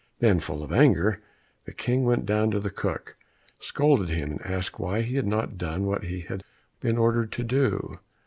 Then, full of anger, the King went down to the cook, scolded him, and asked why he had not done what he had been ordered to do.